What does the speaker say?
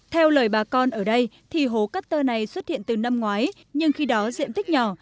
theo lời bà con ở đây thì hố cát tơ này xuất hiện từ năm ngoái nhưng khi đó diện tích nhỏ